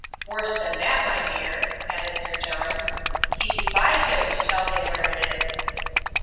Worse than that, my dear," added Sir John, "he defied him to tell him where it is."